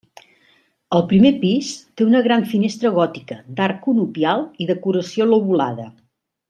El primer pis té una gran finestra gòtica d'arc conopial i decoració lobulada.